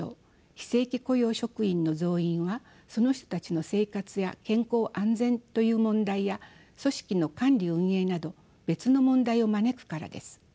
非正規雇用職員の増員はその人たちの生活や健康・安全という問題や組織の管理運営など別の問題を招くからです。